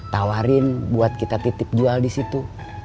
tawarin buat kita titip jual di situ